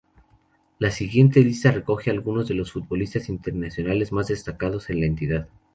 La siguiente lista recoge algunos de los futbolistas internacionales más destacados de la entidad.